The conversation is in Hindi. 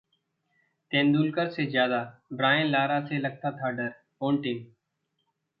तेंदुलकर से ज्यादा ब्रायन लारा से लगता था डर: पोंटिंग